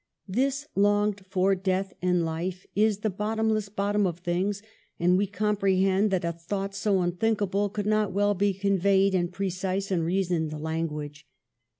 This longed for death in life is the bottomless bottom of things, and we com prehend that a thought so unthinkable could not well be conveyed in precise and reasoned lan guage.